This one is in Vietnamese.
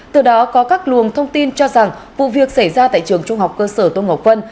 từ đó có các luồng thông tin cho rằng vụ việc xảy ra tại trường trung học cơ sở tôn ngọc vân